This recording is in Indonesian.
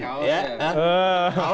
harusnya pakai gaul ya